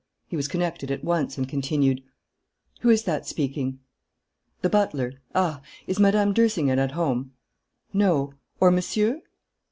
He was connected at once and continued: "Who is that speaking?... The butler? Ah! Is Mme. d'Ersingen at home?... No?... Or Monsieur?...